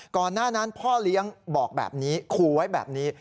ก่อนหน้านั้นพ่อเลี้ยงบอกแบบนี้ขู่ไว้แบบนี้